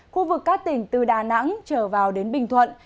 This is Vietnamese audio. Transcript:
khu vực các tỉnh từ đà nẵng trở vào đến bình thuận